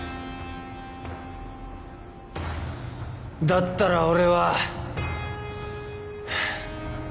だったら俺は。